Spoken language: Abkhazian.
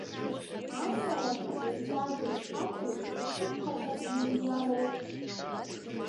Асалам шәҟәы задрес ақәу, хымԥада иниароуп!